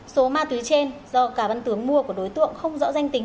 số ma túy trên do cá văn tướng mua của đối tượng không rõ danh tính